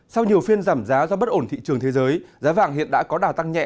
sau nhiều phiên giảm giá do bất ổn thị trường thế giới giá vàng hiện đã có đà tăng nhẹ